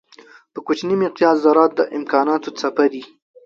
په کوچني مقیاس ذرات د امکانانو څپه دي.